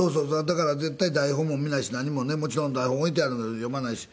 だから絶対台本も見ないし何もねもちろん台本置いてあるけど読まないし。